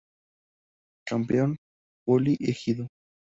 Campeón: Poli Ejido.